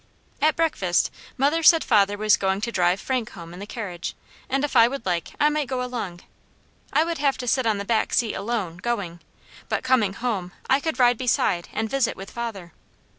At breakfast, mother said father was going to drive Frank home in the carriage, and if I would like, I might go along. I would have to sit on the back seat alone, going; but coming home I could ride beside and visit with father.